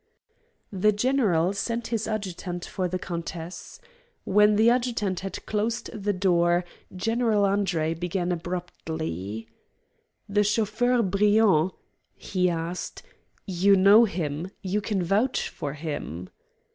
The general sent his adjutant for the countess. When the adjutant had closed the door General Andre began abruptly: "The chauffeur Briand," he asked, "you know him; you can vouch for him?"